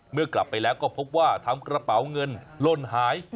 เมื่อกลับไปแล้วก็พบว่าทำกระเป๋าเงินล่นหาย